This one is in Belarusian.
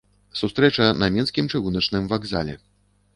Сустрэча на мінскім чыгуначным вакзале.